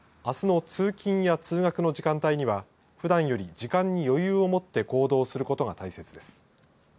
あすの通勤や通学の時間帯にはふだんより時間に余裕をもって行動することが大切です。